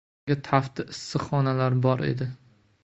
Menga tafti issiq xonalar bor edi.